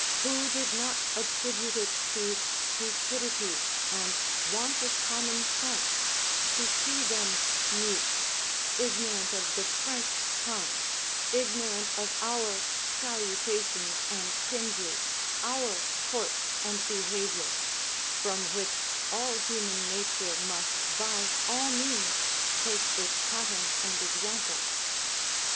Who did not attribute it to stupidity and want of common sense to see them mute, ignorant of the French tongue, ignorant of our salutations and cringes, our port and behaviour, from which all human nature must by all means take its pattern and example.